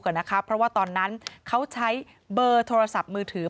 ก่อนนะคะเพราะว่าตอนนั้นเขาใช้เบอร์โทรศัพท์มือถือ